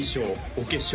お化粧